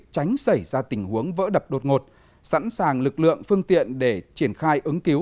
tránh xảy ra tình huống vỡ đập đột ngột sẵn sàng lực lượng phương tiện để triển khai ứng cứu